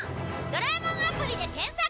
「ドラえもんアプリ」で検索！